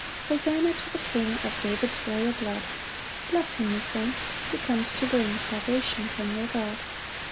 5 Hosanna to the King Of David's royal blood: Bless him, ye saints; he comes to bring Salvation from your God.